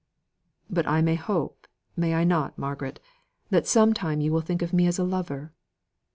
"But I may hope, may I not, Margaret, that some time you will think of me as a lover?